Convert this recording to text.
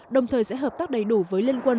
đồng thời sẽ hợp tác đầy đủ với liên quân